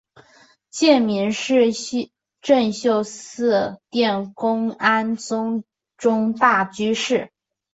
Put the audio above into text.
戒名是政秀寺殿功庵宗忠大居士。